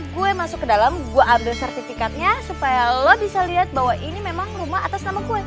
gue masuk ke dalam gue ambil sertifikatnya supaya lo bisa lihat bahwa ini memang rumah atas nama kue